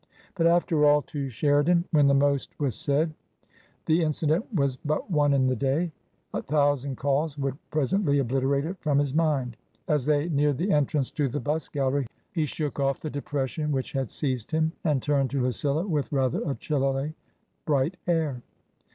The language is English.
But, after all, to Sheridan, when the most was said, the incident was but one in the day ; a thousand calls would presently obliterate it from his mind. As they neared 252 TRANSITION. the entrance to the bust gallery, he shook off the depres sion which had seized him and turned to Lucilla with rather a chillily bright air.